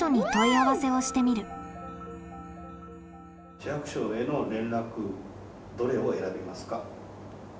市役所への連絡どれを選びますか？